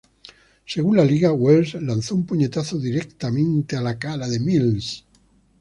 Según la liga, Wells lanzó un puñetazo directamente a la cara de Mills.